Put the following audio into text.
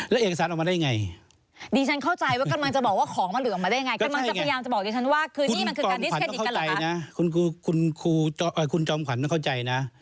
เอางี้ดิฉันสรุปความครับแบบนี้คือมันการสั่ง